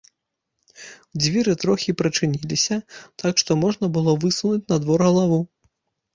Дзверы трохі прачыніліся, так што можна было высунуць на двор галаву.